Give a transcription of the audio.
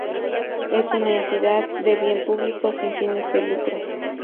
Es una Entidad de Bien Público sin fines de lucro.